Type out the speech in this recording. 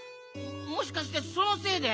もしかしてそのせいで？